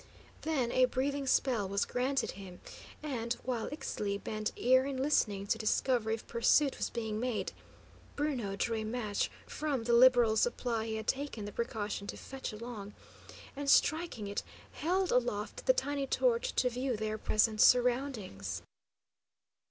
Then a breathing spell was granted him, and, while Ixtli bent ear in listening to discover if pursuit was being made, Bruno drew a match from the liberal supply he had taken the precaution to fetch along, and, striking it, held aloft the tiny torch to view their present surroundings.